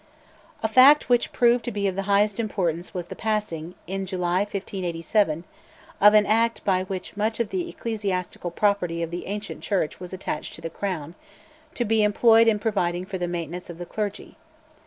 A fact which proved to be of the highest importance was the passing, in July 1587, of an Act by which much of the ecclesiastical property of the ancient Church was attached to the Crown, to be employed in providing for the maintenance of the clergy.